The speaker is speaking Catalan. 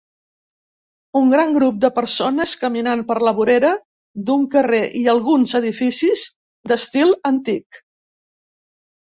un gran grup de persones caminant per la vorera d'un carrer i alguns edificis d'estil antic.